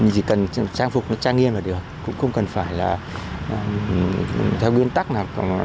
chỉ cần trang phục nó trang nghiêng là được cũng không cần phải là theo nguyên tắc nào